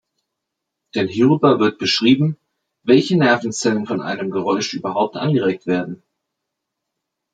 Denn hierüber wird beschrieben, welche Nervenzellen von einem Geräusch überhaupt angeregt werden.